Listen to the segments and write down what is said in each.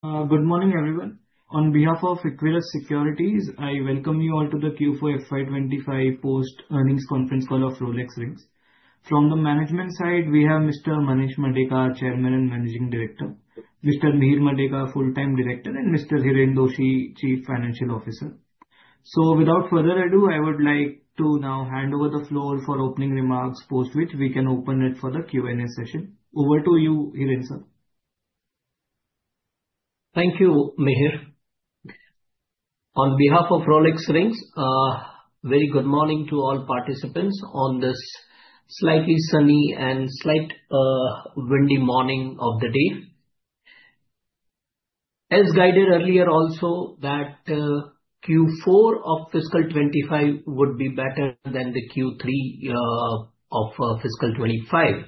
Good morning, everyone. On behalf of Equurus Securities, I welcome you all to the Q4 FY25 Post Earnings Conference call of Rolex Rings. From the management side, we have Mr. Manesh Madeka, Chairman and Managing Director, Mr. Mihir Madeka, Full-Time Director, and Mr. Hiren Doshi, Chief Financial Officer. So, without further ado, I would like to now hand over the floor for opening remarks, post which we can open it for the Q&A session. Over to you, Hiren sir. Thank you, Meher. On behalf of Rolex Rings, very good morning to all participants on this slightly sunny and slightly windy morning of the day. As guided earlier also, that Q4 of FY25 would be better than the Q3 of FY25.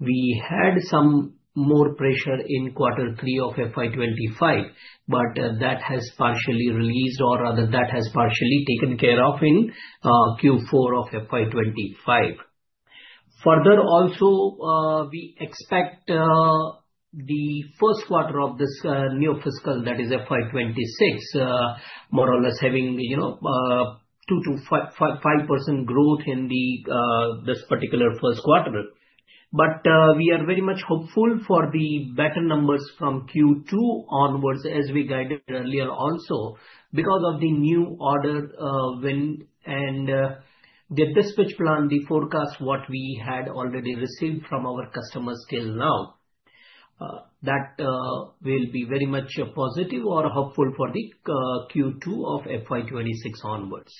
We had some more pressure in Q3 of FY25, but that has partially released, or rather, that has partially taken care of in Q4 of FY25. Further, also, we expect the first quarter of this new fiscal, that is FY26, more or less having 2%-5% growth in this particular first quarter. But we are very much hopeful for the better numbers from Q2 onwards, as we guided earlier also, because of the new order and the dispatch plan, the forecast, what we had already received from our customers till now. That will be very much positive or hopeful for the Q2 of FY26 onwards.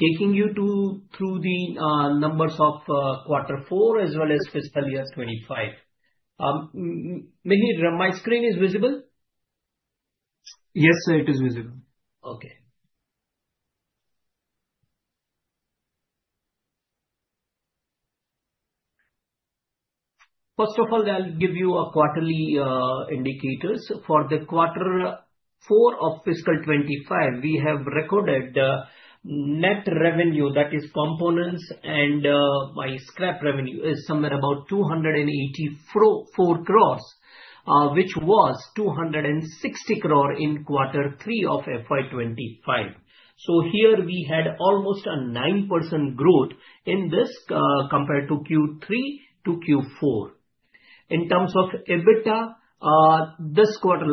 Taking you through the numbers of Q4 as well as fiscal year 2025. Meher, my screen is visible? Yes, sir, it is visible. Okay. First of all, I'll give you quarterly indicators. For Q4 of FY25, we have recorded net revenue, that is components and my scrap revenue, is somewhere about 284 crores, which was 260 crores in Q3 of FY25. So here, we had almost a 9% growth in this compared to Q3 to Q4. In terms of EBITDA, last quarter,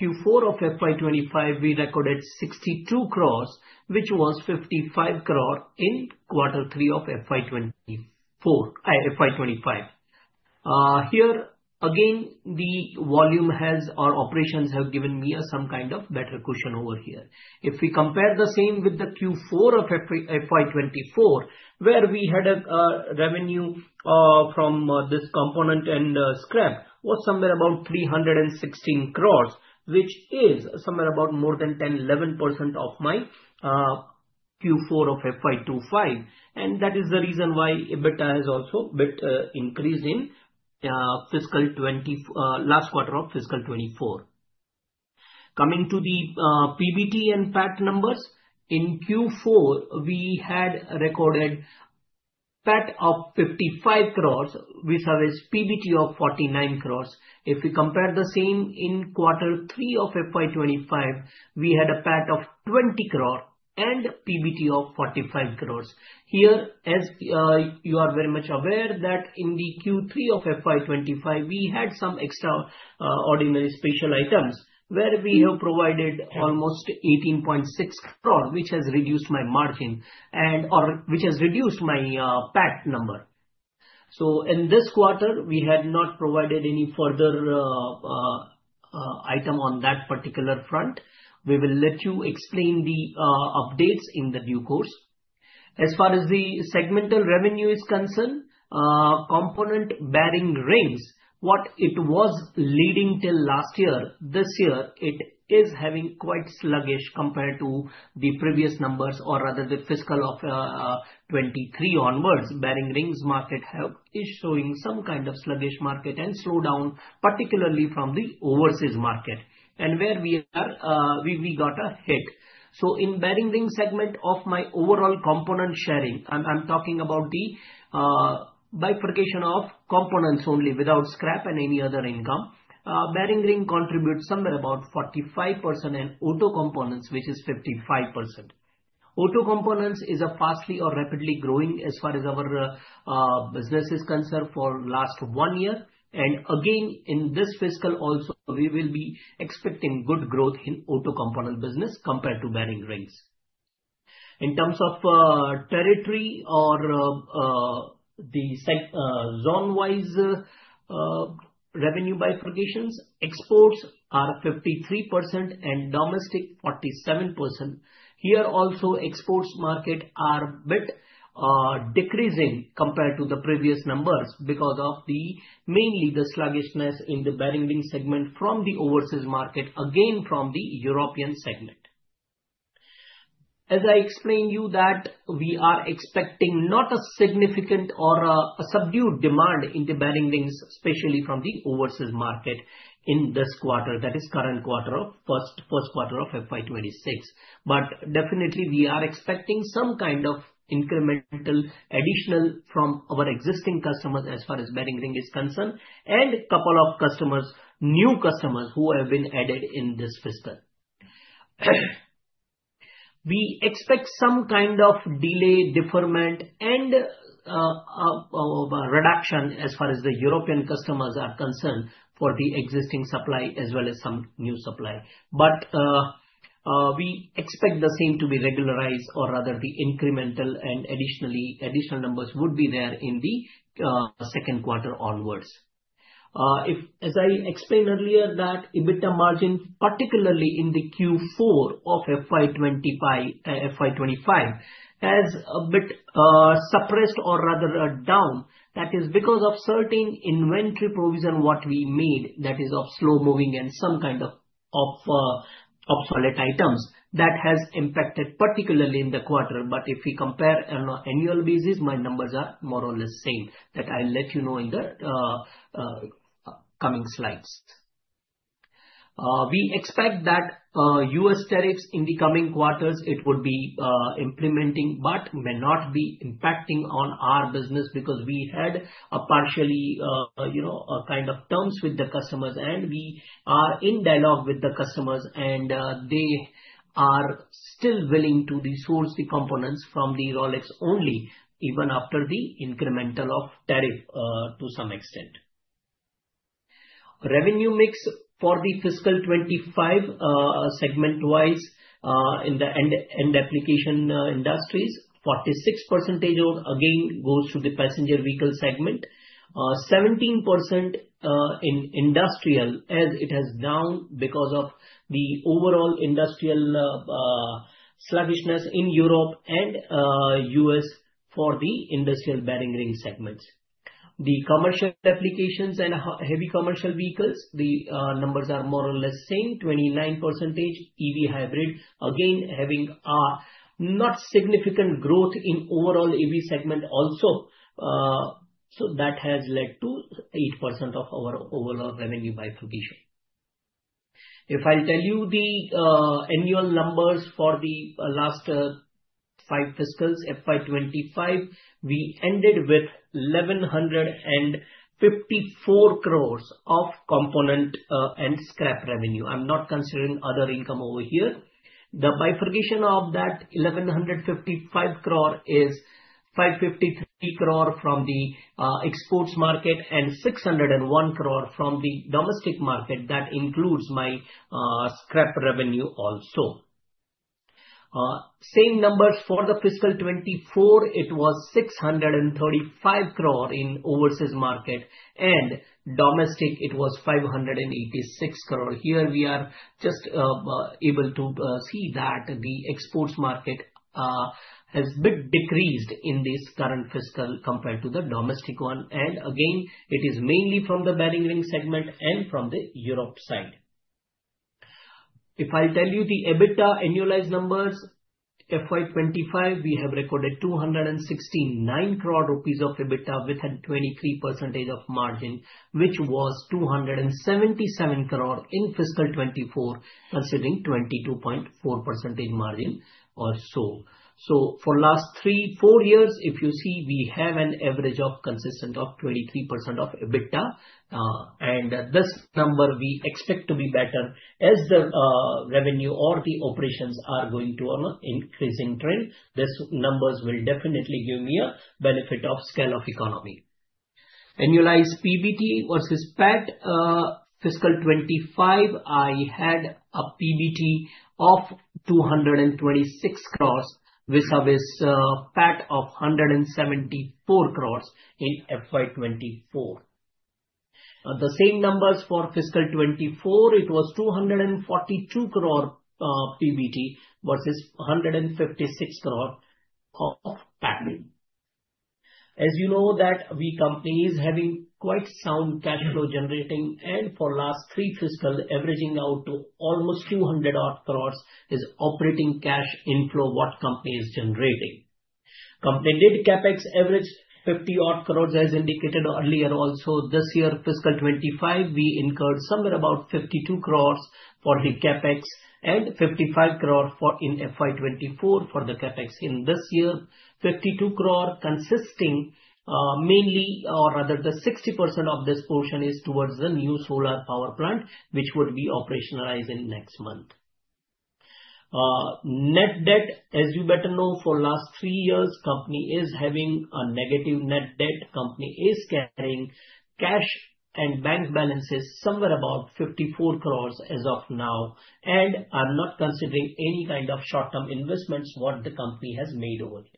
Q4 of FY25, we recorded 62 crores, which was 55 crores in Q3 of FY25. Here, again, the volume has or operations have given me some kind of better cushion over here. If we compare the same with Q4 of FY24, where we had a revenue from this component and scrap, was somewhere about 316 crores, which is somewhere about more than 10%, 11% of my Q4 of FY25. And that is the reason why EBITDA has also increased in last quarter of fiscal 24. Coming to the PBT and PAT numbers, in Q4, we had recorded PAT of 55 crores, which has a PBT of 49 crores. If we compare the same in Q3 of FY25, we had a PAT of 20 crores and a PBT of 45 crores. Here, as you are very much aware, that in Q3 of FY25, we had some extraordinary special items where we have provided almost 18.6 crores, which has reduced my margin and which has reduced my PAT number. So in this quarter, we had not provided any further item on that particular front. We will let you explain the updates in due course. As far as the segmental revenue is concerned, components, bearing rings, what it was leading till last year, this year, it is having quite sluggish compared to the previous numbers, or rather, the fiscal of 2023 onwards. Bearing Rings market is showing some kind of sluggish market and slowdown, particularly from the overseas market, and where we got a hit, so in bearing rings segment of my overall component sharing, I'm talking about the bifurcation of components only without scrap and any other income. Bearing Rings contributes somewhere about 45% and auto components, which is 55%. Auto Components is a fast or rapidly growing as far as our business is concerned for the last one year, and again, in this fiscal also, we will be expecting good growth in auto components business compared to bearing rings. In terms of territory or the zone-wise revenue bifurcations, exports are 53% and domestic 47%. Here, also, exports market are a bit decreasing compared to the previous numbers because of mainly the sluggishness in the bearing rings segment from the overseas market, again, from the European segment. As I explained you that we are expecting not a significant or a subdued demand in the bearing rings, especially from the overseas market in this quarter, that is current quarter of first quarter of FY26. But definitely, we are expecting some kind of incremental additional from our existing customers as far as bearing ring is concerned and a couple of new customers who have been added in this fiscal. We expect some kind of delay, deferment, and reduction as far as the European customers are concerned for the existing supply as well as some new supply. But we expect the same to be regularized, or rather, the incremental and additional numbers would be there in the second quarter onwards. As I explained earlier, that EBITDA margin, particularly in the Q4 of FY25, has a bit suppressed or rather down. That is because of certain inventory provision what we made, that is of slow-moving and some kind of obsolete items that has impacted particularly in the quarter. But if we compare on an annual basis, my numbers are more or less same that I'll let you know in the coming slides. We expect that U.S. tariffs in the coming quarters, it would be implementing but may not be impacting on our business because we had a partially kind of terms with the customers, and we are in dialogue with the customers, and they are still willing to resource the components from the Rolex only even after the incremental of tariff to some extent. Revenue mix for the fiscal 25 segment-wise in the end application industries, 46% again goes to the passenger vehicle segment, 17% in industrial as it has down because of the overall industrial sluggishness in Europe and U.S. for the industrial bearing ring segments. The commercial applications and heavy commercial vehicles, the numbers are more or less same, 29% EV hybrid, again having not significant growth in overall EV segment also. So that has led to 8% of our overall revenue bifurcation. If I'll tell you the annual numbers for the last five fiscals, FY25, we ended with 1,154 crores of component and scrap revenue. I'm not considering other income over here. The bifurcation of that 1,155 crore is 553 crore from the exports market and 601 crore from the domestic market. That includes my scrap revenue also. Same numbers for fiscal 2024. It was 635 crore in the overseas market, and domestic it was 586 crore. Here we are just able to see that the exports market has a bit decreased in this current fiscal compared to the domestic one. And again, it is mainly from the Bearing Rings segment and from the Europe side. If I'll tell you the EBITDA annualized numbers, FY 2025, we have recorded 269 crore rupees of EBITDA with a 23% margin, which was 277 crore in fiscal 2024, considering 22.4% margin also. So for the last three, four years, if you see, we have an average consistent of 23% EBITDA. And this number we expect to be better as the revenue or the operations are going to an increasing trend. These numbers will definitely give me a benefit of economies of scale. Annualized PBT versus PAT fiscal 25, I had a PBT of 226 crores, which has a PAT of 174 crores in FY24. The same numbers for fiscal 24, it was 242 crore PBT versus 156 crore of PAT. As you know, the company is having quite sound cash flow generating, and for the last three fiscal years, averaging out to almost 200 crores is operating cash inflow what the company is generating. Completed CAPEX averaged 50 crores as indicated earlier. Also, this year fiscal 25, we incurred somewhere about 52 crores for the CAPEX and 55 crore in FY24 for the CAPEX. In this year, 52 crore consisting mainly, or rather, the 60% of this portion is towards the new solar power plant, which would be operationalized in next month. Net debt, as you better know, for the last three years, company is having a negative net debt. company is carrying cash and bank balances somewhere about 54 crores as of now and are not considering any kind of short-term investments what the company has made over it.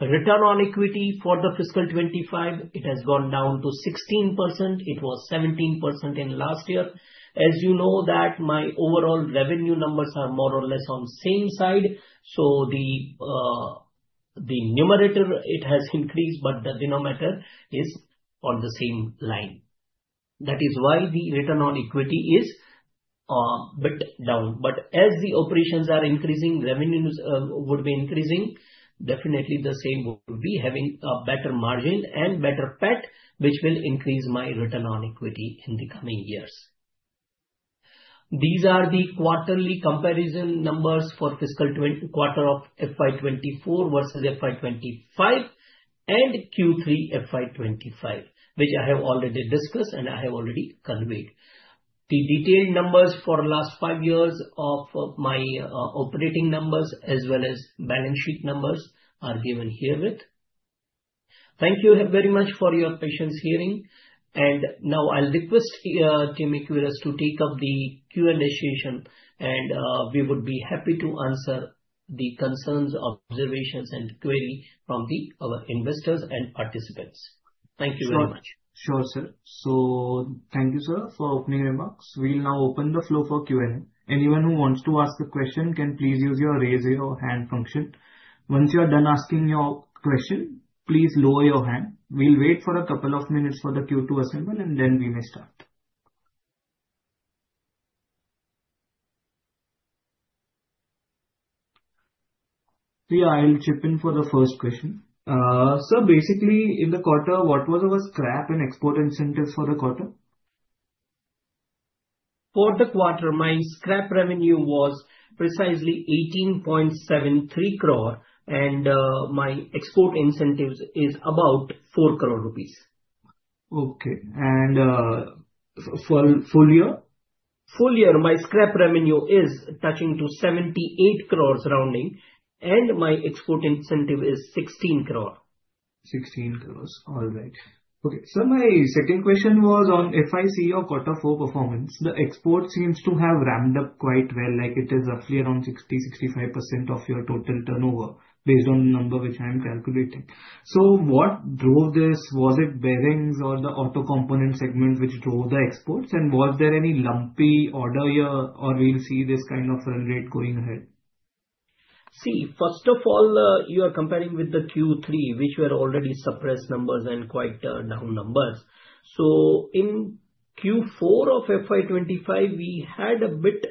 Return on equity for FY25, it has gone down to 16%. It was 17% in last year. As you know, that my overall revenue numbers are more or less on the same side. So the numerator, it has increased, but the denominator is on the same line. That is why the return on equity is a bit down. But as the operations are increasing, revenues would be increasing, definitely the same would be having a better margin and better PAT, which will increase my return on equity in the coming years. These are the quarterly comparison numbers for fiscal quarter of FY24 versus FY25 and Q3 FY25, which I have already discussed and I have already conveyed. The detailed numbers for the last five years of my operating numbers as well as balance sheet numbers are given herewith. Thank you very much for your patient hearing. Now I'll request Team Equurus to take up the Q&A session, and we would be happy to answer the concerns, observations, and queries from our investors and participants. Thank you very much. Sure, sir. So, thank you, sir, for opening remarks. We'll now open the floor for Q&A. Anyone who wants to ask a question can please use the raise hand function. Once you are done asking your question, please lower your hand. We'll wait for a couple of minutes for the queue to assemble, and then we may start. Yeah, I'll chip in for the first question. Sir, basically, in the quarter, what was our scrap and export incentives for the quarter? For the quarter, my scrap revenue was precisely 18.73 crore, and my export incentives is about 4 crore rupees. Okay. And for full year? Full year, my scrap revenue is touching to 78 crore rounding, and my export incentive is 16 crore. 16 crore. All right. Okay. Sir, my second question was on FY Q4 or quarter four performance. The export seems to have ramped up quite well, like it is roughly around 60%-65% of your total turnover based on the number which I'm calculating. So what drove this? Was it bearings or the auto component segment which drove the exports? And was there any lumpy order year or we'll see this kind of run rate going ahead? See, first of all, you are comparing with the Q3, which were already suppressed numbers and quite down numbers. So in Q4 of FY25, we had a bit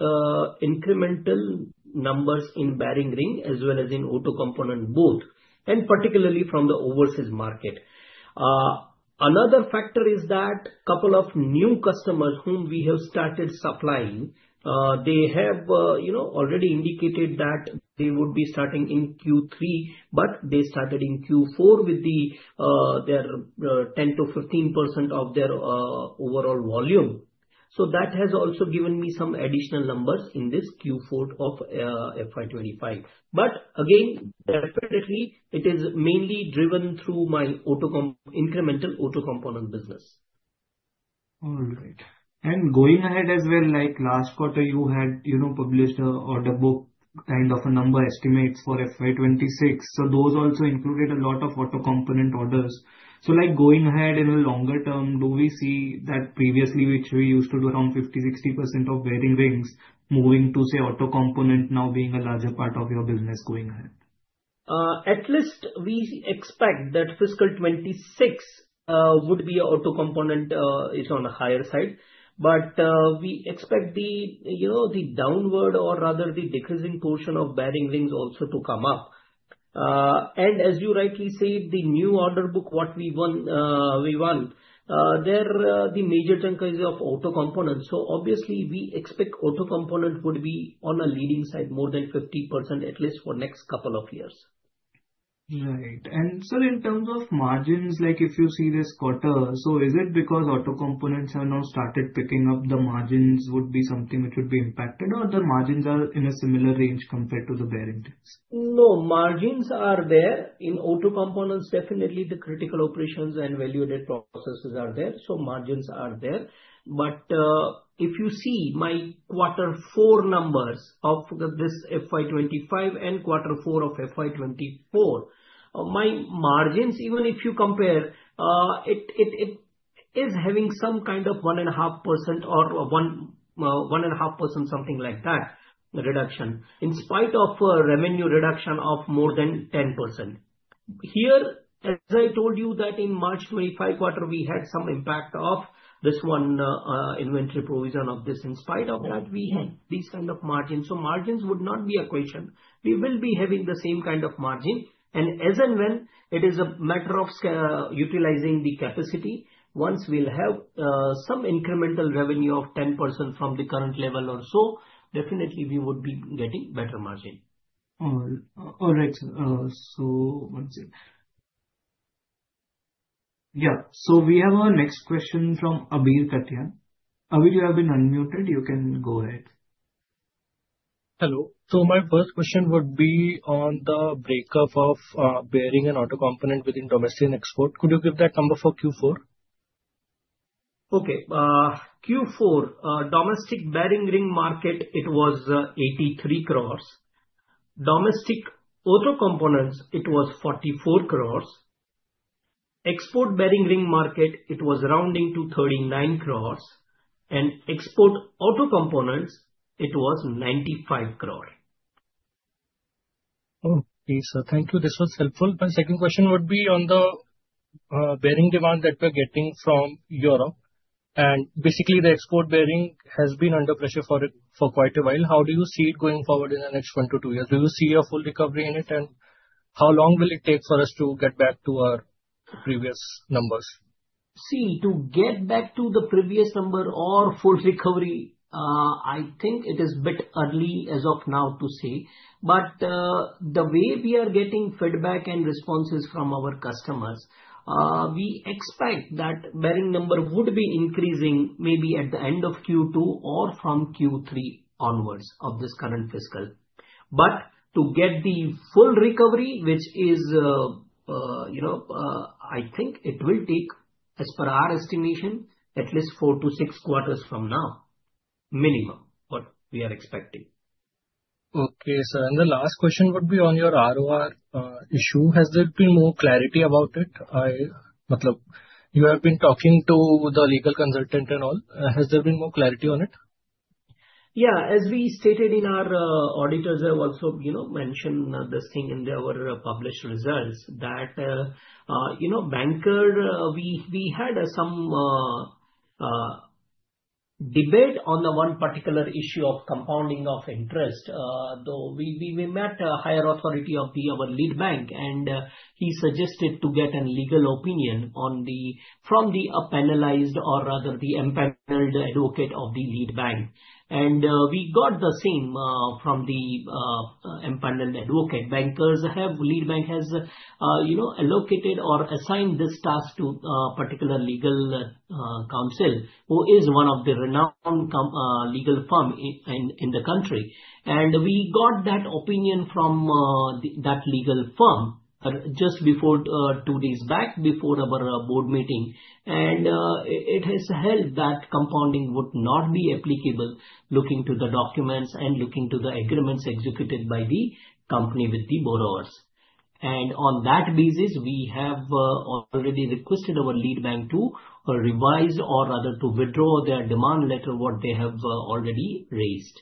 incremental numbers in bearing ring as well as in auto component both, and particularly from the overseas market. Another factor is that a couple of new customers whom we have started supplying, they have already indicated that they would be starting in Q3, but they started in Q4 with their 10%-15% of their overall volume. So that has also given me some additional numbers in this Q4 of FY25. But again, definitely, it is mainly driven through my incremental auto component business. All right. And going ahead as well, like last quarter, you had published an order book kind of a number estimates for FY26. So those also included a lot of auto component orders. So going ahead in a longer term, do we see that previously which we used to do around 50%-60% of bearing rings moving to, say, auto component now being a larger part of your business going ahead? At least we expect that fiscal 2026 would be auto component, it's on the higher side. But we expect the downward or rather the decreasing portion of bearing rings also to come up. And as you rightly say, the new order book what we want, there the major chunk is of auto components. So obviously, we expect auto component would be on a leading side more than 50% at least for the next couple of years. Right. And sir, in terms of margins, like if you see this quarter, so is it because auto components have now started picking up, the margins would be something which would be impacted, or the margins are in a similar range compared to the bearing rings? No, margins are there. In auto components, definitely the critical operations and value-added processes are there, so margins are there, but if you see my quarter four numbers of this FY25 and quarter four of FY24, my margins, even if you compare, it is having some kind of 1.5% or 1.5% something like that reduction in spite of revenue reduction of more than 10%. Here, as I told you that in March 2025 quarter, we had some impact of this one inventory provision of this. In spite of that, we had these kind of margins, so margins would not be a question. We will be having the same kind of margin, and as and when it is a matter of utilizing the capacity, once we'll have some incremental revenue of 10% from the current level or so, definitely we would be getting better margin. All right, sir. So let's see. Yeah. So we have our next question from Abir Katyan. Abir, you have been unmuted. You can go ahead. Hello. So my first question would be on the breakup of bearing and auto component within domestic and export. Could you give that number for Q4? Okay. Q4, domestic bearing ring market, it was 83 crores. Domestic auto components, it was 44 crores. Export bearing ring market, it was rounding to 39 crores. And export auto components, it was 95 crore. Okay, sir. Thank you. This was helpful. My second question would be on the bearing demand that we're getting from Europe. And basically, the export bearing has been under pressure for quite a while. How do you see it going forward in the next one to two years? Do you see a full recovery in it? And how long will it take for us to get back to our previous numbers? See, to get back to the previous number or full recovery, I think it is a bit early as of now to say. But the way we are getting feedback and responses from our customers, we expect that bearing number would be increasing maybe at the end of Q2 or from Q3 onwards of this current fiscal. But to get the full recovery, which is, I think it will take, as per our estimation, at least four to six quarters from now, minimum, what we are expecting. Okay, sir. And the last question would be on your ROR issue. Has there been more clarity about it? You have been talking to the legal consultant and all. Has there been more clarity on it? Yeah. As we stated, our auditors have also mentioned this thing in their published results that with the banker we had some debate on the one particular issue of compounding of interest. Though we met a higher authority of our lead bank, and he suggested to get a legal opinion from the panelized or rather the empaneled advocate of the lead bank. We got the same from the empaneled advocate. Bankers, the lead bank has allocated or assigned this task to a particular legal counsel who is one of the renowned legal firms in the country. We got that opinion from that legal firm just two days back before our board meeting. It has held that compounding would not be applicable looking to the documents and looking to the agreements executed by the company with the lenders. On that basis, we have already requested our lead bank to revise, or rather, to withdraw their demand letter what they have already raised.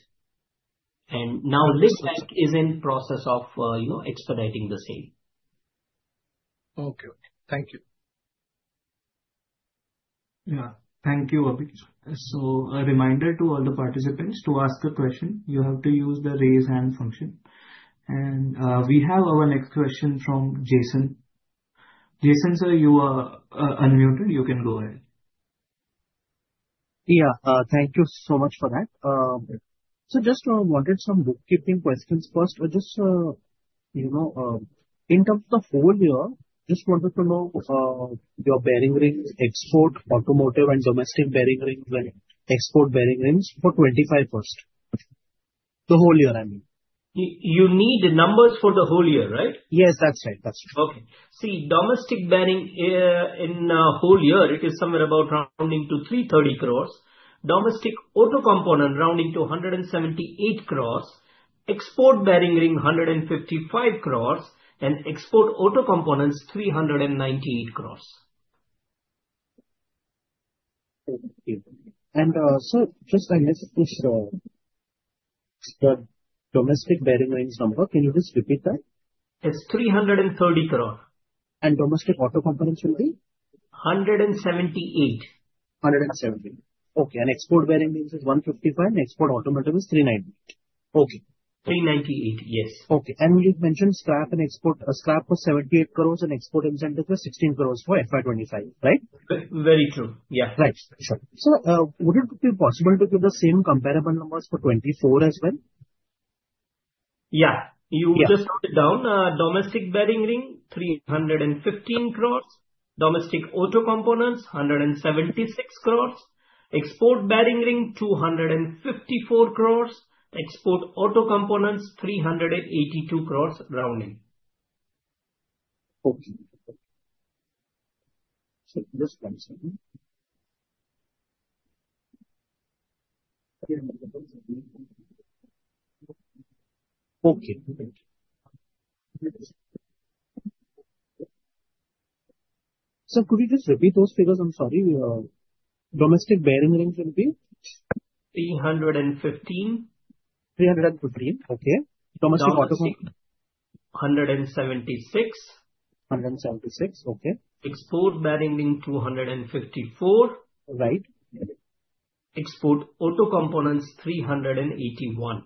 Now this bank is in process of expediting the same. Okay. Thank you. Yeah. Thank you, Abir. So a reminder to all the participants to ask a question. You have to use the raise hand function. And we have our next question from Jason. Jason, sir, you are unmuted. You can go ahead. Yeah. Thank you so much for that. So just wanted some bookkeeping questions first. Just in terms of the whole year, just wanted to know your bearing rings, export automotive and domestic bearing rings and export bearing rings for 25 first. The whole year, I mean. You need the numbers for the whole year, right? Yes, that's right. That's right. Okay. See, domestic bearing in whole year, it is somewhere about rounding to 330 crores. Domestic auto component rounding to 178 crores, export bearing ring 155 crores, and export auto components 398 crores. Sir, just I guess if the domestic Bearing Rings number, can you just repeat that? It's 330 crore. Domestic auto components will be? 178. Okay. And export bearing rings is 155, and export automotive is 398. Okay. 398, yes. Okay. And you mentioned scrap and export scrap was 78 crores and export incentive was 16 crores for FY25, right? Very true. Yeah. Right. Sure. So would it be possible to get the same comparable numbers for 2024 as well? Yeah. You just wrote it down. Domestic bearing ring 315 crores, domestic auto components 176 crores, export bearing ring 254 crores, export auto components 382 crores rounding. Okay. Just one second. Okay. Sir, could you just repeat those figures? I'm sorry. Domestic bearing rings will be? 315. 315. Okay. Domestic auto components? 176. 176. Okay. Export bearing ring 254. Right. Export Auto Components 381.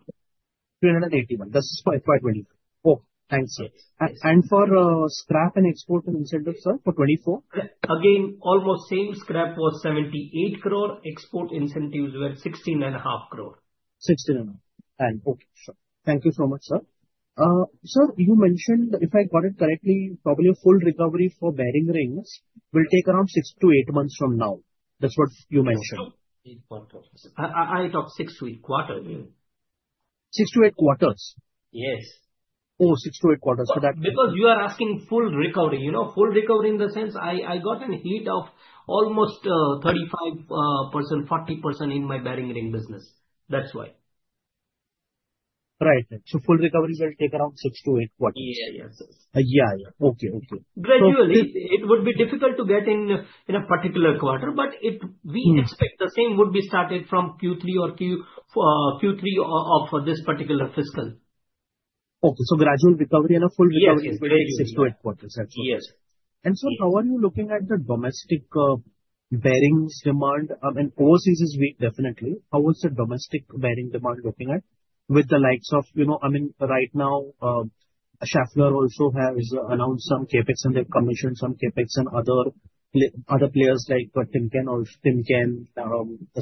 That's for FY25. Okay. Thanks, sir. And for scrap and export incentives, sir, for 24? Again, almost same scrap was 78 crore. Export incentives were 16.5 crore. Okay. Sure. Thank you so much, sir. Sir, you mentioned if I got it correctly, probably a full recovery for bearing rings will take around six to eight months from now. That's what you mentioned. It'll take six to eight quarters. Six to eight quarters. Yes. Oh, 6-8 quarters, so that. Because you are asking full recovery. Full recovery in the sense I got a hit of almost 35%-40% in my bearing ring business. That's why. Right. So full recovery will take around six to eight quarters. Yeah, yeah. Yeah, yeah. Okay, okay. Gradually, it would be difficult to get in a particular quarter, but we expect the same would be started from Q3 or Q3 of this particular fiscal. Okay, so gradual recovery and a full recovery will take six to eight quarters. Yes. Sir, how are you looking at the domestic bearings demand? I mean, overseas is weak definitely. How is the domestic bearing demand looking at with the likes of, I mean, right now, Schaeffler also has announced some CAPEX, and they've commissioned some CAPEX and other players like Timken or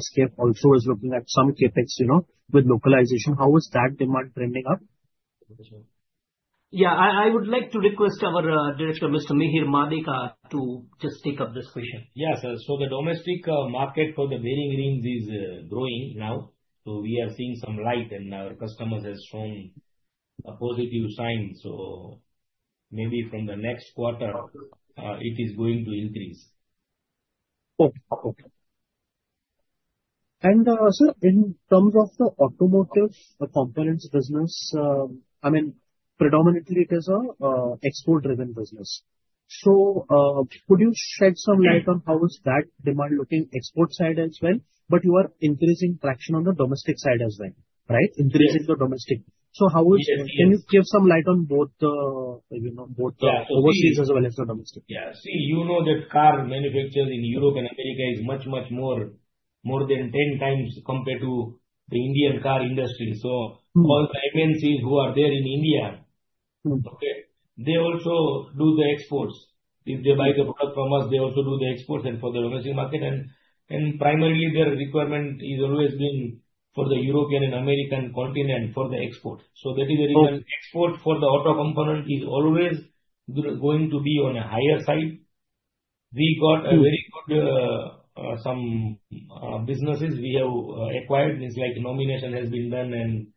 SKF also is looking at some CAPEX with localization. How is that demand trending up? Yeah. I would like to request our director, Mr. Mihir Madeka, to just take up this question. Yes. So the domestic market for the bearing rings is growing now. So we are seeing some light, and our customers have shown positive signs. So maybe from the next quarter, it is going to increase. Okay. Okay. And sir, in terms of the automotive components business, I mean, predominantly, it is an export-driven business. So could you shed some light on how is that demand looking export side as well? But you are increasing traction on the domestic side as well, right? Increasing the domestic. So can you give some light on both the overseas as well as the domestic? Yeah. See, you know that car manufacturers in Europe and America is much, much more than 10 times compared to the Indian car industry. So all the MNCs who are there in India, okay, they also do the exports. If they buy the product from us, they also do the exports and for the domestic market. And primarily, their requirement is always being for the European and American continent for the export. So that is the reason export for the auto component is always going to be on a higher side. We got a very good some businesses we have acquired. It's like nomination has been done, and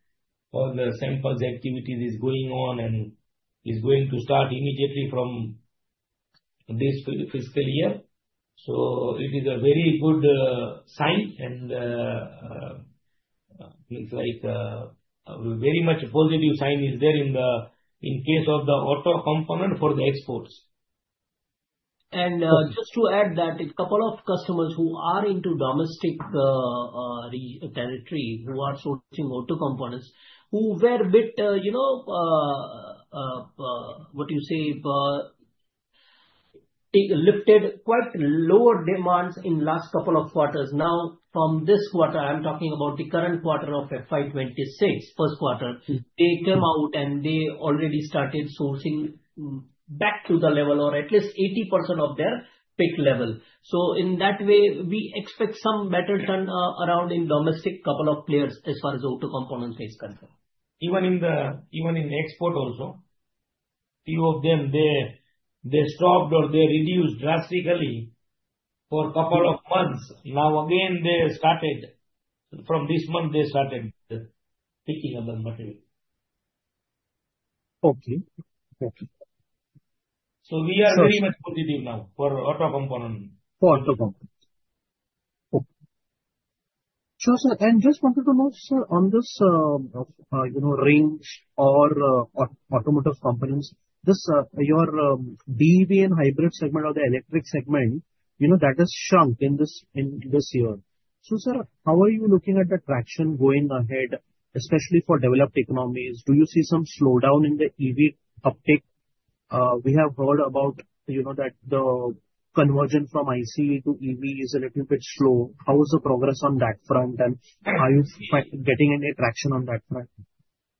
all the samples activity is going on and is going to start immediately from this fiscal year. So it is a very good sign. It's like a very much positive sign is there in case of the auto component for the exports. Just to add that a couple of customers who are into domestic territory who are sourcing auto components who were a bit, what you say, lifted quite lower demands in the last couple of quarters. Now, from this quarter, I'm talking about the current quarter of FY26, first quarter, they came out and they already started sourcing back to the level or at least 80% of their peak level. In that way, we expect some better turnaround in domestic, couple of players as far as auto components is concerned. Even in export also, a few of them, they stopped or they reduced drastically for a couple of months. Now, again, they started from this month, they started picking up the material. Okay. Okay. So we are very much positive now for auto components. For auto components. Okay. Sure, sir. And just wanted to know, sir, on these rings or automotive components, your BEV and hybrid segment or the electric segment, that has shrunk in this year. So, sir, how are you looking at the traction going ahead, especially for developed economies? Do you see some slowdown in the EV uptake? We have heard about that the conversion from ICE to EV is a little bit slow. How is the progress on that front? And are you getting any traction on that front?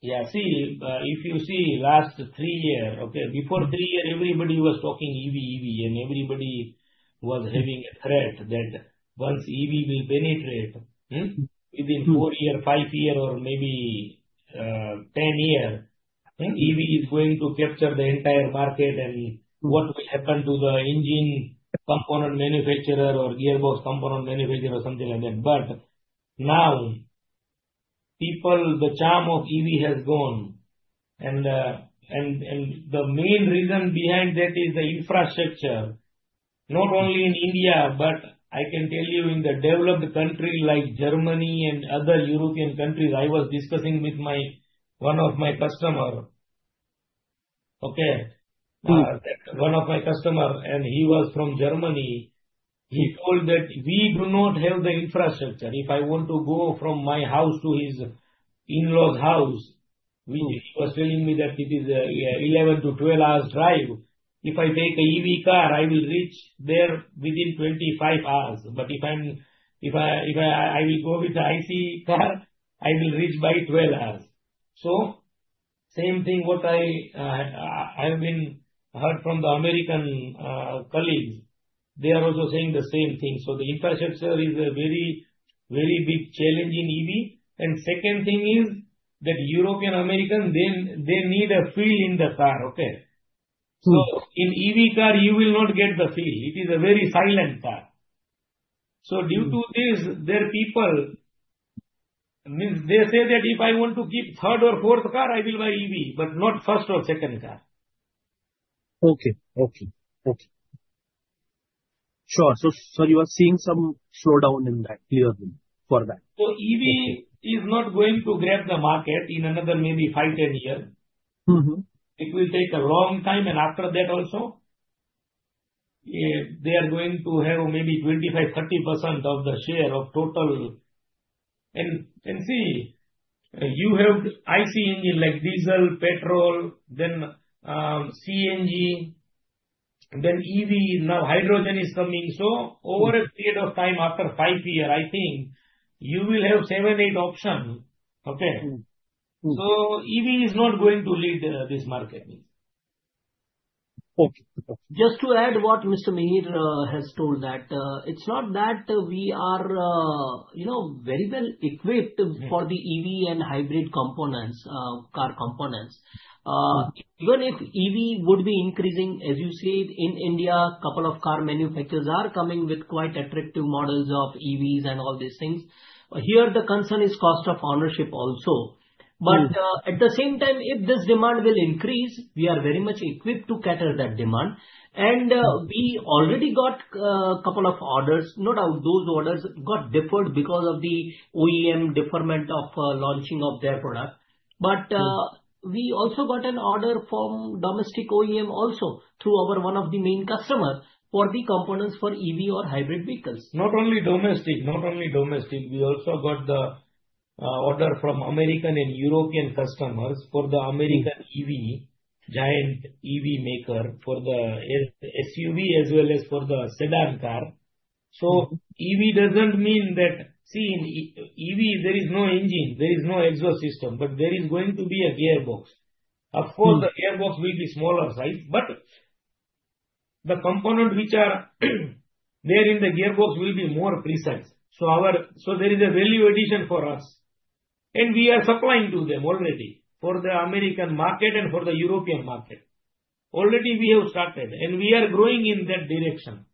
Yeah. See, if you see last three years, okay, before three years, everybody was talking EV, EV, and everybody was having a threat that once EV will penetrate within four years, five years, or maybe 10 years, EV is going to capture the entire market and what will happen to the engine component manufacturer or gearbox component manufacturer or something like that. But now, the charm of EV has gone. The main reason behind that is the infrastructure, not only in India, but I can tell you in the developed country like Germany and other European countries. I was discussing with one of my customers, okay, one of my customers, and he was from Germany. He told that we do not have the infrastructure. If I want to go from my house to his in-laws' house, he was telling me that it is 11-12 hours drive. If I take an EV car, I will reach there within 25 hours. But if I will go with an ICE car, I will reach by 12 hours. So same thing what I have been heard from the American colleagues. They are also saying the same thing. So the infrastructure is a very, very big challenge in EV. And second thing is that European Americans, they need a feel in the car, okay? So in EV car, you will not get the feel. It is a very silent car. So due to this, their people, they say that if I want to keep third or fourth car, I will buy EV, but not first or second car. Okay. Sure. So, sir, you are seeing some slowdown in that clearly for that. So EV is not going to grab the market in another maybe 5-10 years. It will take a long time. And after that also, they are going to have maybe 25%-30% of the share of total. And see, you have ICE engine like diesel, petrol, then CNG, then EV. Now, hydrogen is coming. So over a period of time, after five years, I think you will have seven, eight options, okay? So EV is not going to lead this market. Okay. Just to add what Mr. Mihir has told, that it's not that we are very well equipped for the EV and hybrid components, car components. Even if EV would be increasing, as you said, in India, a couple of car manufacturers are coming with quite attractive models of EVs and all these things. Here, the concern is cost of ownership also, but at the same time, if this demand will increase, we are very much equipped to cater that demand, and we already got a couple of orders. No doubt those orders got deferred because of the OEM deferment of launching of their product, but we also got an order from domestic OEM also through one of the main customers for the components for EV or hybrid vehicles. Not only domestic. Not only domestic. We also got the order from American and European customers for the American EV, giant EV maker for the SUV as well as for the sedan car, so EV doesn't mean that, see, in EV, there is no engine. There is no exhaust system, but there is going to be a gearbox. Of course, the gearbox will be smaller size, but the components which are there in the gearbox will be more precise, so there is a value addition for us. We are supplying to them already for the American market and for the European market. Already, we have started, and we are growing in that direction.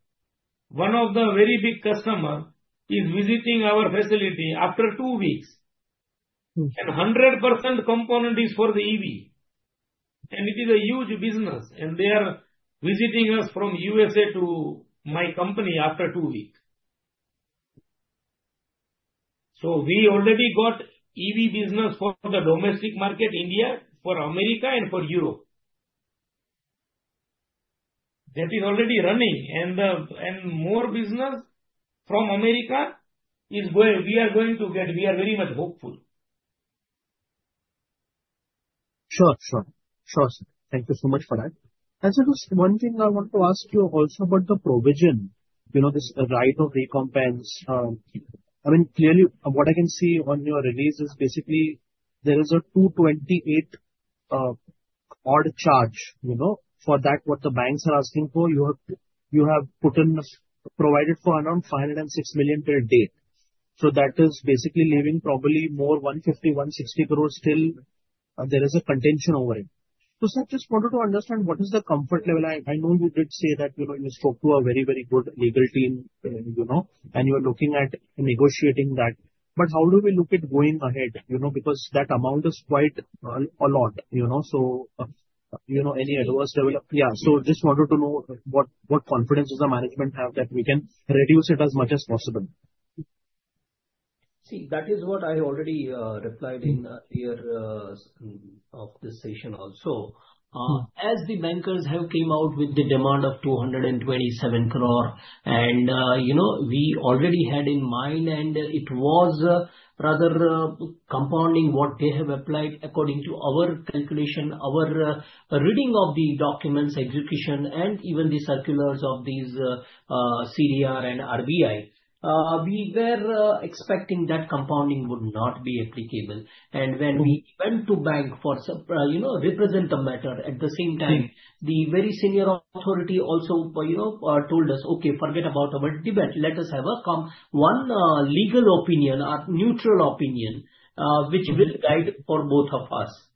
One of the very big customers is visiting our facility after two weeks, and 100% component is for the EV. It is a huge business. They are visiting us from USA to my company after two weeks, so we already got EV business for the domestic market, India, for America, and for Europe. That is already running, and more business from America is going, we are going to get. We are very much hopeful. Sure. Sure. Sure, sir. Thank you so much for that. And sir, just one thing I want to ask you also about the provision, this Right of Recompense. I mean, clearly, what I can see on your release is basically there is a 22.8-odd charge for that, what the banks are asking for. You have provided for around 50.6 million per date. So that is basically leaving probably 15-16 crores still. There is a contention over it. So, sir, I just wanted to understand what is the comfort level? I know you did say that you spoke to a very, very good legal team, and you are looking at negotiating that. But how do we look at going ahead? Because that amount is quite a lot. So any adverse development? Yeah. So just wanted to know what confidence does the management have that we can reduce it as much as possible? See, that is what I already replied in earlier of this session also. As the bankers have come out with the demand of 227 crore, and we already had in mind, and it was rather compounding what they have applied according to our calculation, our reading of the documents, execution, and even the circulars of these CDR and RBI. We were expecting that compounding would not be applicable, and when we went to bank for represent the matter, at the same time, the very senior authority also told us, "Okay, forget about our debate. Let us have one legal opinion, a neutral opinion, which will guide for both of us."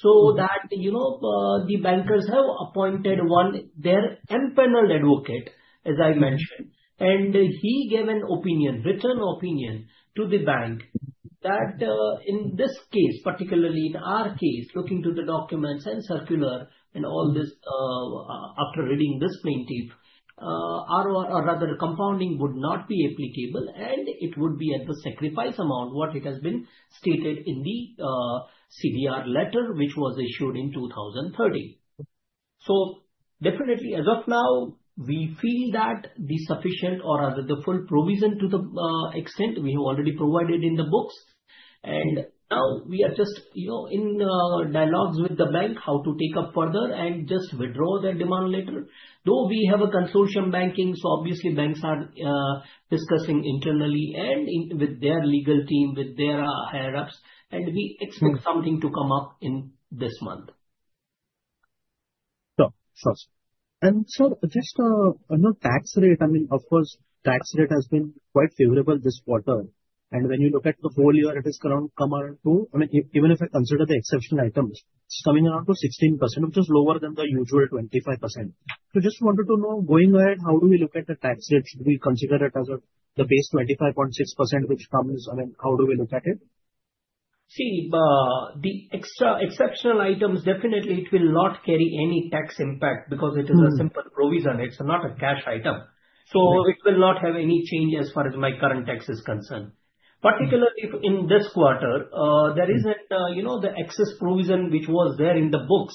So the bankers have appointed one of their panel advocate, as I mentioned, and he gave an opinion, written opinion to the bank that in this case, particularly in our case, looking to the documents and circular and all this, after reading this plaintiff, or rather compounding would not be applicable, and it would be at the sacrifice amount what it has been stated in the CDR letter, which was issued in 2013, so definitely, as of now, we feel that the sufficient or rather the full provision to the extent we have already provided in the books, and now we are just in dialogues with the bank how to take up further and just withdraw their demand later. Though we have a consortium banking, so obviously banks are discussing internally and with their legal team, with their higher-ups, and we expect something to come up in this month. Sure. Sure. And sir, just on the tax rate, I mean, of course, tax rate has been quite favorable this quarter. And when you look at the whole year, it has come around to, I mean, even if I consider the exceptional items, it's coming around to 16%, which is lower than the usual 25%. So just wanted to know, going ahead, how do we look at the tax rate? Should we consider it as the base 25.6%, which comes? I mean, how do we look at it? See, the exceptional items, definitely, it will not carry any tax impact because it is a simple provision. It's not a cash item. So it will not have any change as far as my current tax is concerned. Particularly in this quarter, there isn't the excess provision which was there in the books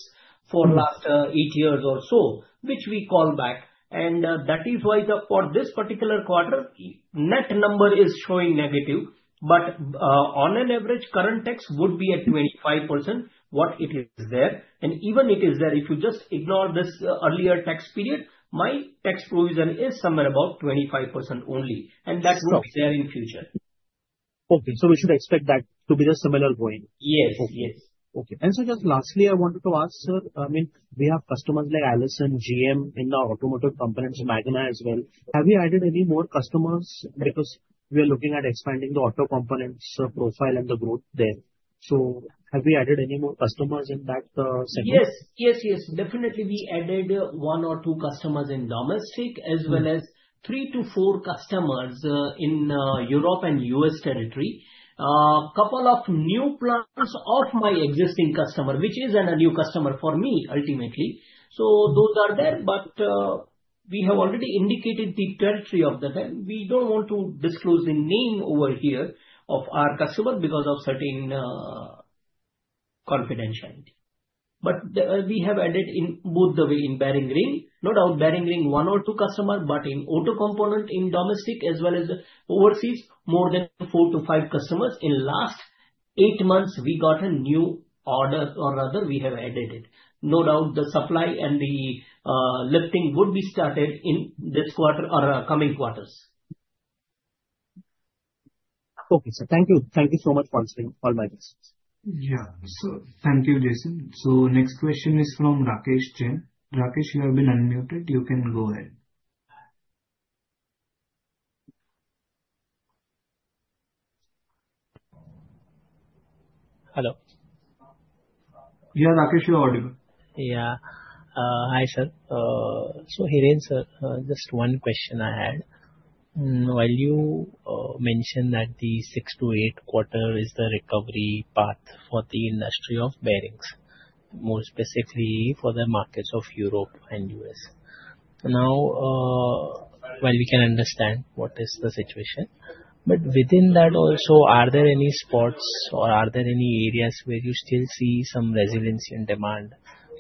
for last eight years or so, which we call back. And that is why for this particular quarter, net number is showing negative, but on an average, current tax would be at 25% what it is there. And even it is there, if you just ignore this earlier tax period, my tax provision is somewhere about 25% only. And that will be there in future. Okay. So we should expect that to be the similar going. Yes. Yes. Okay. Sir, just lastly, I wanted to ask, sir. I mean, we have customers like Allison, GM in the automotive components, Magna as well. Have we added any more customers because we are looking at expanding the auto components profile and the growth there? So have we added any more customers in that segment? Yes. Yes. Yes. Definitely, we added one or two customers in domestic as well as three to four customers in Europe and US territory. A couple of new plans of my existing customer, which is a new customer for me, ultimately. So those are there, but we have already indicated the territory of the bank. We don't want to disclose the name over here of our customer because of certain confidentiality. But we have added in both the way in Bearing Ring. No doubt, Bearing Ring, one or two customers, but in auto component in domestic as well as overseas, more than four to five customers. In last eight months, we got a new order, or rather, we have added it. No doubt, the supply and the lifting would be started in this quarter or coming quarters. Okay, sir. Thank you. Thank you so much for answering all my questions. Yeah. So thank you, Jason. So next question is from Rakesh Jain. Rakesh, you have been unmuted. You can go ahead. Hello. Yeah, Rakesh, you're audible. Yeah. Hi, sir. So, Hiren sir, just one question I had. While you mentioned that the six-to-eight quarter is the recovery path for the industry of bearings, more specifically for the markets of Europe and U.S. Now, while we can understand what is the situation, but within that also, are there any spots or are there any areas where you still see some resiliency in demand?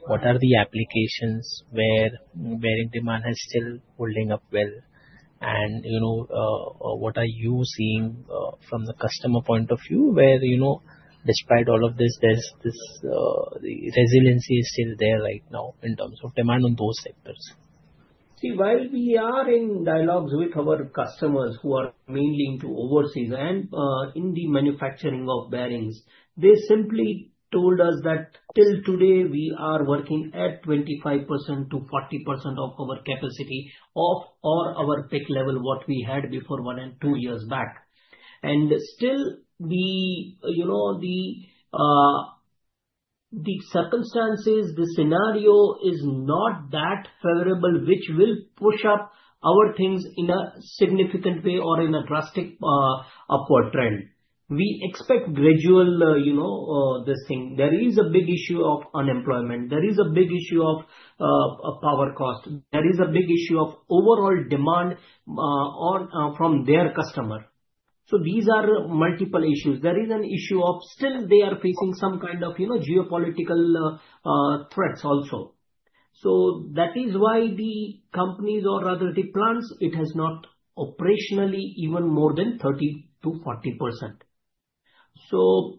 What are the applications where bearing demand has still holding up well? And what are you seeing from the customer point of view where, despite all of this, the resiliency is still there right now in terms of demand on those sectors? See, while we are in dialogues with our customers who are mainly into overseas and in the manufacturing of bearings, they simply told us that till today, we are working at 25%-40% of our capacity or our peak level what we had before one and two years back. And still, the circumstances, the scenario is not that favorable, which will push up our things in a significant way or in a drastic upward trend. We expect gradual this thing. There is a big issue of unemployment. There is a big issue of power cost. There is a big issue of overall demand from their customer. So these are multiple issues. There is an issue of still they are facing some kind of geopolitical threats also. That is why the companies or rather the plants, it has not operationally even more than 30%-40%,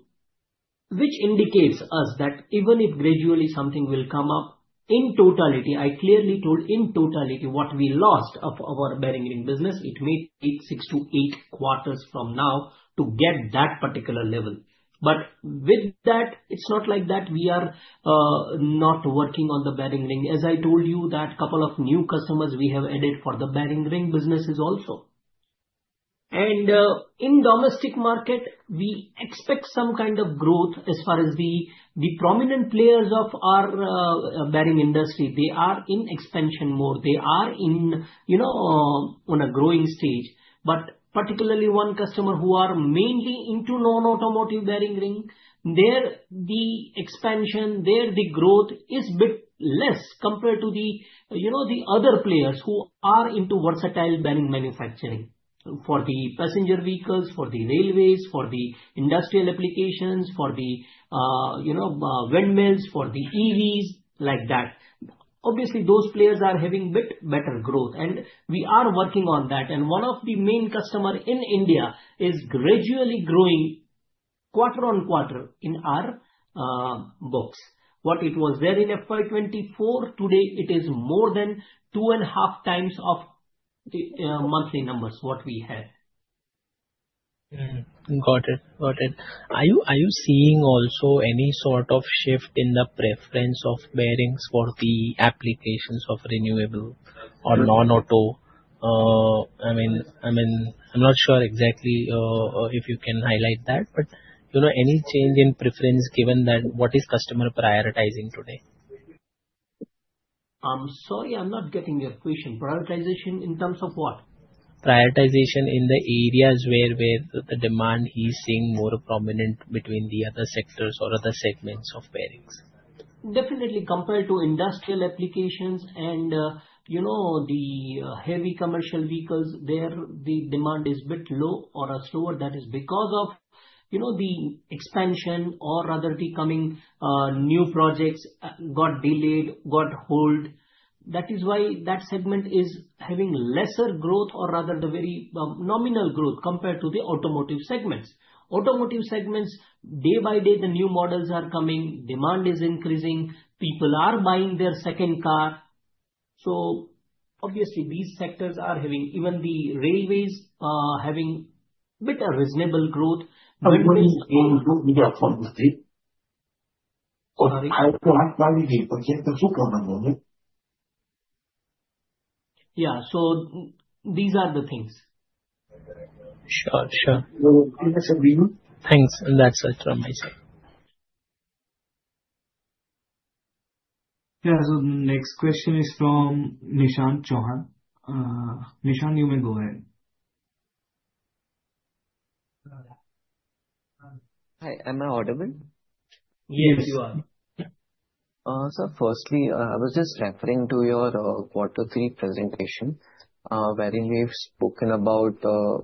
which indicates us that even if gradually something will come up in totality. I clearly told in totality what we lost of our bearing ring business. It may take six-to-eight quarters from now to get that particular level. But with that, it's not like that we are not working on the bearing ring. As I told you, that couple of new customers we have added for the bearing ring businesses also. And in domestic market, we expect some kind of growth as far as the prominent players of our bearing industry. They are in expansion more. They are on a growing stage. But particularly one customer who are mainly into non-automotive bearing ring, the expansion, the growth is a bit less compared to the other players who are into versatile bearing manufacturing for the passenger vehicles, for the railways, for the industrial applications, for the windmills, for the EVs, like that. Obviously, those players are having a bit better growth. And we are working on that. And one of the main customers in India is gradually growing quarter on quarter in our books. What it was there in FY24, today, it is more than two and a half times of the monthly numbers what we had. Got it. Got it. Are you seeing also any sort of shift in the preference of bearings for the applications of renewable or non-auto? I mean, I'm not sure exactly if you can highlight that, but any change in preference given that what is customer prioritizing today? I'm sorry, I'm not getting your question. Prioritization in terms of what? Prioritization in the areas where the demand is seen more prominent between the other sectors or other segments of bearings. Definitely compared to industrial applications and the heavy commercial vehicles, where the demand is a bit low or slower, that is because of the expansion or rather the coming new projects got delayed, got hold. That is why that segment is having lesser growth or rather the very nominal growth compared to the automotive segments. Automotive segments, day by day, the new models are coming, demand is increasing, people are buying their second car. So obviously, these sectors are having even the railways having a bit of reasonable growth. Yeah. So these are the things. Sure. Sure. Thanks. And that's it from my side. Yeah. So the next question is from Nishant Chauhan. Nishant, you may go ahead. Hi. Am I audible? Yes, you are. Sir, firstly, I was just referring to your quarter three presentation wherein we've spoken about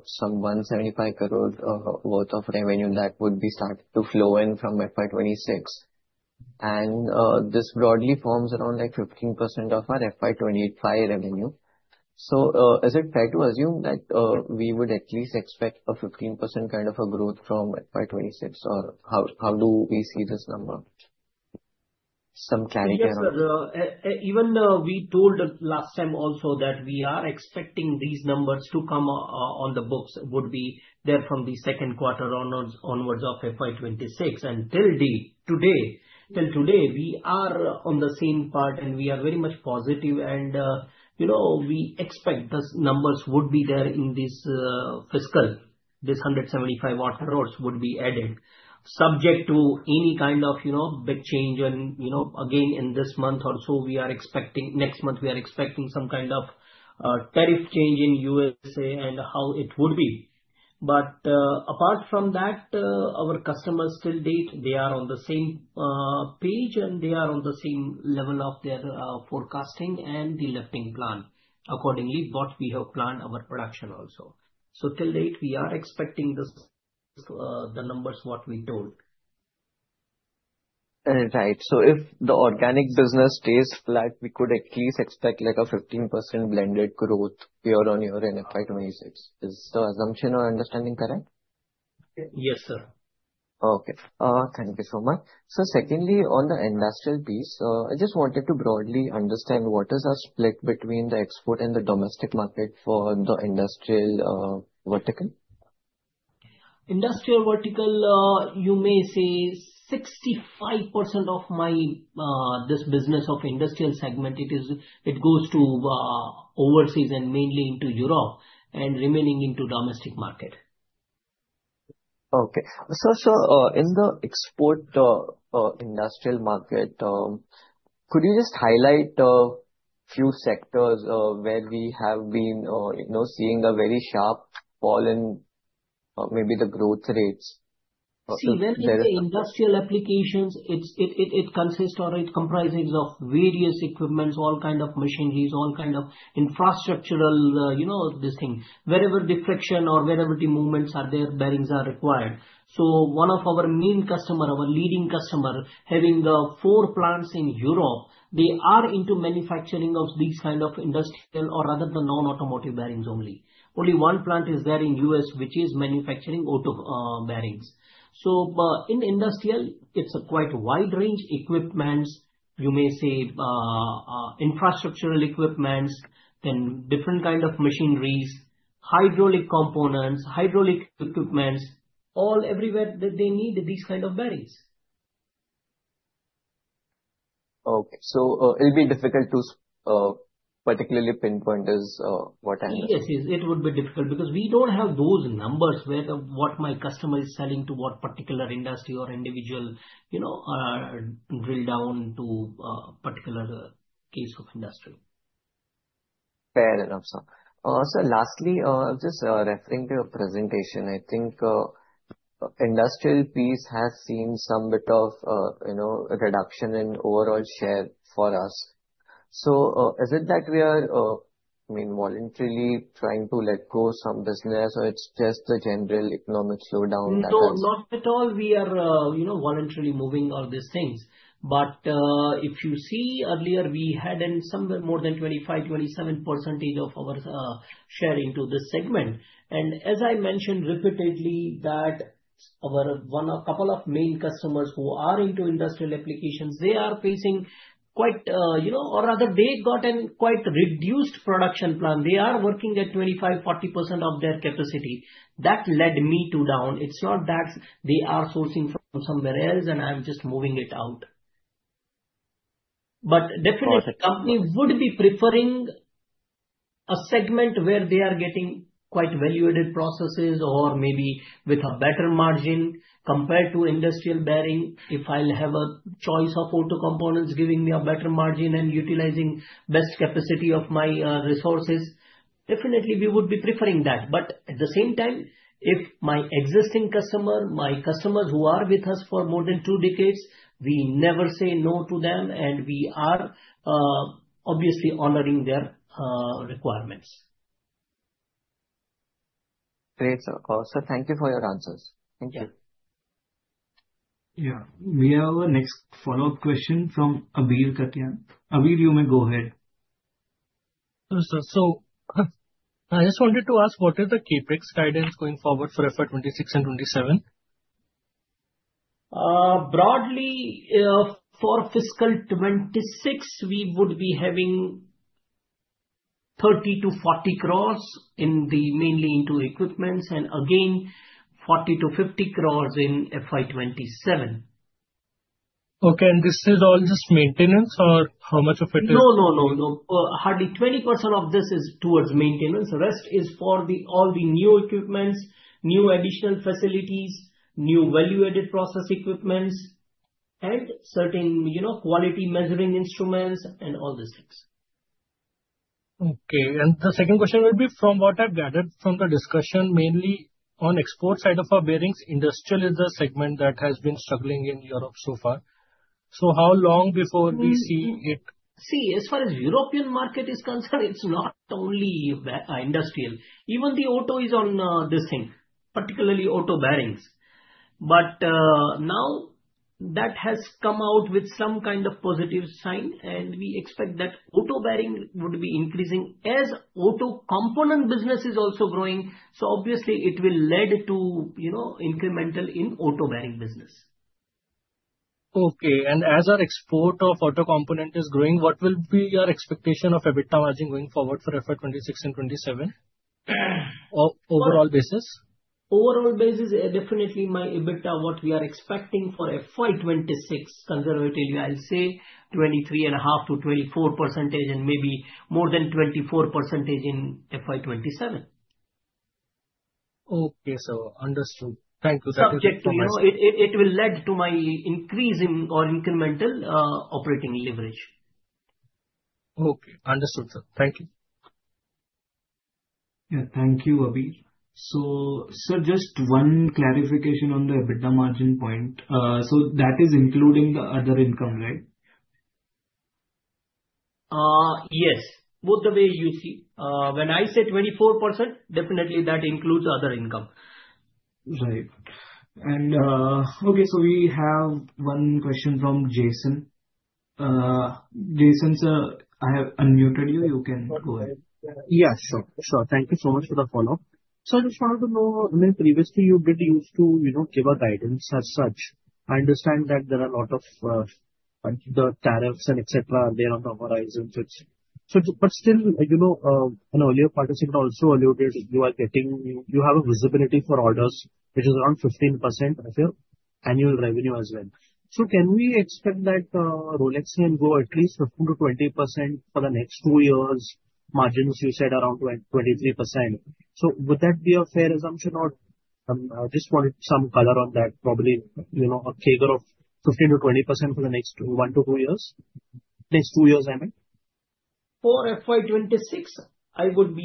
some 175 crore worth of revenue that would be starting to flow in from FY26. And this broadly forms around 15% of our FY25 revenue. So is it fair to assume that we would at least expect a 15% kind of a growth from FY26? Or how do we see this number? Some clarity around it. Yes, sir. Even we told last time also that we are expecting these numbers to come on the books would be there from the second quarter onwards of FY26. And till today, till today, we are on the same part, and we are very much positive. And we expect those numbers would be there in this fiscal. This 175 crores would be added, subject to any kind of big change. And again, in this month or so, we are expecting next month, we are expecting some kind of tariff change in USA and how it would be. But apart from that, our customers till date, they are on the same page, and they are on the same level of their forecasting and the lifting plan accordingly what we have planned our production also. So till date, we are expecting the numbers what we told. Right. So if the organic business stays flat, we could at least expect a 15% blended growth year on year in FY26. Is the assumption or understanding correct? Yes, sir. Okay. Thank you so much. So secondly, on the industrial piece, I just wanted to broadly understand what is our split between the export and the domestic market for the industrial vertical? Industrial vertical, you may say, 65% of this business of industrial segment. It goes to overseas and mainly into Europe and remaining into domestic market. Okay. So in the export industrial market, could you just highlight a few sectors where we have been seeing a very sharp fall in maybe the growth rates? See, when we say industrial applications, it consists or it comprises of various equipment, all kind of machinery, all kind of infrastructural, this thing, wherever the friction or wherever the movements are there, bearings are required. So one of our main customers, our leading customer, having four plants in Europe, they are into manufacturing of these kind of industrial or rather the non-automotive bearings only. Only one plant is there in U.S., which is manufacturing auto bearings. So in industrial, it's a quite wide range equipment, you may say infrastructural equipment, then different kind of machinery, hydraulic components, hydraulic equipment, all everywhere that they need these kind of bearings. Okay, so it'll be difficult to particularly pinpoint is what I understand. Yes, yes. It would be difficult because we don't have those numbers where what my customer is selling to what particular industry or individual drill down to particular case of industry. Fair enough, sir. So lastly, just referring to your presentation, I think industrial piece has seen some bit of reduction in overall share for us. So is it that we are, I mean, voluntarily trying to let go some business, or it's just the general economic slowdown that has? No, not at all. We are voluntarily moving all these things. But if you see earlier, we had somewhere more than 25-27% of our share into this segment. And as I mentioned repetitively, that a couple of main customers who are into industrial applications, they are facing quite or rather they got a quite reduced production plan. They are working at 25-40% of their capacity. That led me to down. It's not that they are sourcing from somewhere else, and I'm just moving it out. But definitely, company would be preferring a segment where they are getting quite valuated processes or maybe with a better margin compared to industrial bearing. If I'll have a choice of auto components giving me a better margin and utilizing best capacity of my resources, definitely we would be preferring that. But at the same time, if my existing customer, my customers who are with us for more than two decades, we never say no to them, and we are obviously honoring their requirements. Great, sir. Also, thank you for your answers. Thank you. Yeah. We have a next follow-up question from Abir Katyan. Abir, you may go ahead. Sir, so I just wanted to ask, what are the CapEx guidance going forward for FY26 and FY27? Broadly, for fiscal 2026, we would be having 30-40 crores in them, mainly into equipment, and again, 40-50 crores in FY 2027. Okay. And this is all just maintenance, or how much of it is? No, no, no, no. Hardly 20% of this is toward maintenance. Rest is for all the new equipment, new additional facilities, new value-added process equipment, and certain quality measuring instruments and all these things. Okay. And the second question would be from what I've gathered from the discussion, mainly on export side of our bearings, industrial is the segment that has been struggling in Europe so far. So how long before we see it? See, as far as European market is concerned, it's not only industrial. Even the auto is on this thing, particularly auto bearings. But now that has come out with some kind of positive sign, and we expect that auto bearing would be increasing as auto component business is also growing. So obviously, it will lead to incremental in auto bearing business. Okay. And as our export of auto component is growing, what will be your expectation of EBITDA margin going forward for FY26 and 2027 overall basis? Overall basis, definitely my EBITDA, what we are expecting for FY26, conservatively, I'll say 23.5%-24% and maybe more than 24% in FY27. Okay. So understood. Thank you. Subject to it, it will lead to an increase in our incremental operating leverage. Okay. Understood, sir. Thank you. Yeah. Thank you, Abir. So sir, just one clarification on the EBITDA margin point. So that is including the other income, right? Yes. Both the way you see. When I say 24%, definitely that includes other income. Right and okay, so we have one question from Jason. Jason, sir, I have unmuted you. You can go ahead. Yes, sure. Sure. Thank you so much for the follow-up. So I just wanted to know, I mean, previously, you've been used to give a guidance as such. I understand that there are a lot of the tariffs and etc. there on the horizons. But still, an earlier participant also alluded, you are getting you have a visibility for orders, which is around 15% of your annual revenue as well. So can we expect that Rolex can go at least 15%-20% for the next two years, margins you said around 23%? So would that be a fair assumption? Or I just wanted some color on that, probably a figure of 15%-20% for the next one to two years, next two years, I mean? For FY26, I would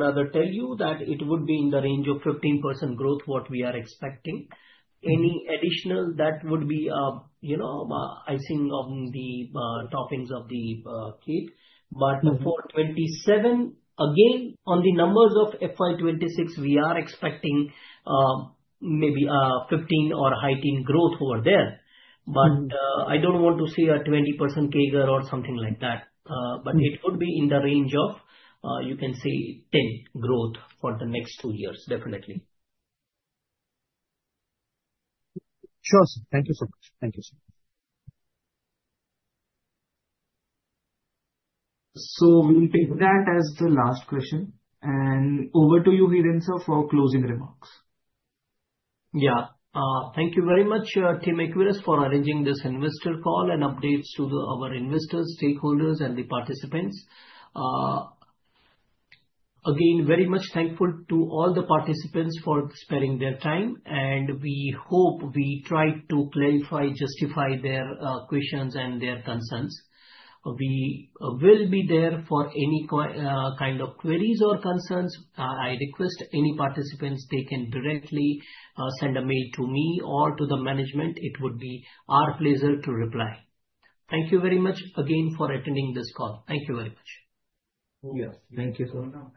rather tell you that it would be in the range of 15% growth, what we are expecting. Any additional, that would be a, I think, on top of the CapEx. But for FY 2027, again, on the numbers of FY26, we are expecting maybe 15% or 18% growth over there. But I don't want to see a 20% figure or something like that. But it would be in the range of, you can say, 10% growth for the next two years, definitely. Sure, sir. Thank you so much. Thank you so much. So we'll take that as the last question. And over to you, Hiren, sir, for closing remarks. Yeah. Thank you very much, Team Ecquerras, for arranging this investor call and updates to our investors, stakeholders, and the participants. Again, very much thankful to all the participants for sparing their time. And we hope we tried to clarify, justify their questions and their concerns. We will be there for any kind of queries or concerns. I request any participants, they can directly send a mail to me or to the management. It would be our pleasure to reply. Thank you very much again for attending this call. Thank you very much. Yes. Thank you so much.